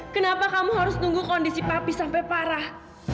kenapa kamu harus nunggu kondisi papi sampai parah